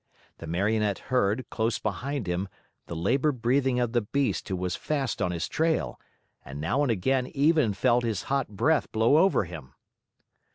The Marionette heard, close behind him, the labored breathing of the beast who was fast on his trail, and now and again even felt his hot breath blow over him.